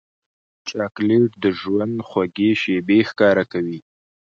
چاکلېټ د ژوند خوږې شېبې ښکاره کوي.